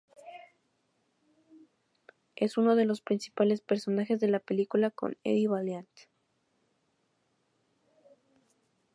Es uno de los principales personajes de la película con Eddie Valiant.